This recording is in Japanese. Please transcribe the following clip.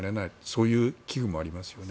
そういう危惧もありますよね。